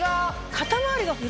肩回りが。